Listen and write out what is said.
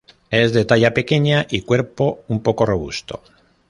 Es de talla pequeña y cuerpo un poco robusto.